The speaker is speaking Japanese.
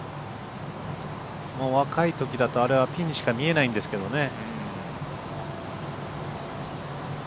もう若い時だと、あれはピンにしか見えないんですけどね。